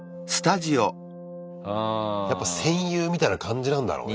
やっぱ戦友みたいな感じなんだろうね。